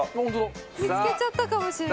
奈緒：見付けちゃったかもしれない。